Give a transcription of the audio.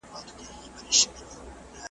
په دلیل او په منطق چي نه پوهېږي ,